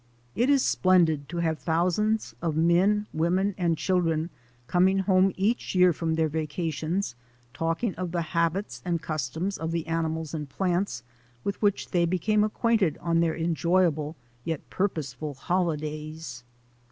It is splendid to have thousands of men, women, and children coming home each year from their vacations talking of the habits and customs of the animals and plants with which they became acquainted on their enjoyable yet purposeful holidays.